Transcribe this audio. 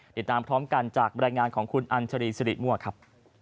ติดตามพร้อมกันจากบริการของคุณอันทรีย์สิริมวะครับ